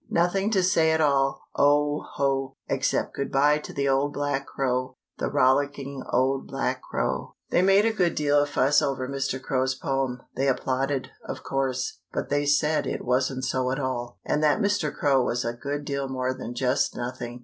Nothing to say at all, oh, ho! Except goodby to the old black crow The rollicking old black crow! They made a good deal of fuss over Mr. Crow's poem. They applauded, of course, but they said it wasn't so at all, and that Mr. Crow was a good deal more than "just nothing."